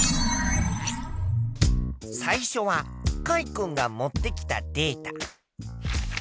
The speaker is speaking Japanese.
最初はカイ君が持ってきたデータ。